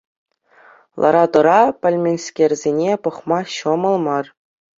Лара-тӑра пӗлменскерсене пӑхма ҫӑмӑл мар.